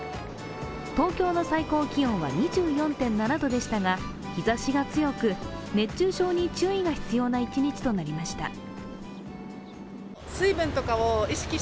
東京の最高気温は２４．７度でしたが、日ざしが強く、熱中症に注意が必要な一日となりました。